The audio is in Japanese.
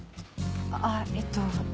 あっえっと。